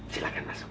silakan masuk